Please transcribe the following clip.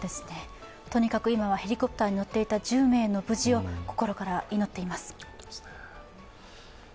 とにかく今はヘリコプターに乗っていた１０名の無事を心から祈っています。